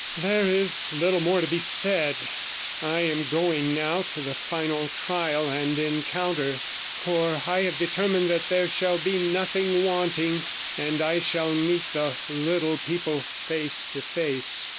There is little more to be said. I am going now to the final trial and encounter; for I have determined that there shall be nothing wanting, and I shall meet the 'Little People' face to face.